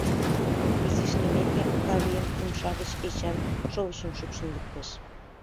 Изиш лиймеке, Каврийын умша гыч Эчан шовычым шупшын луктеш.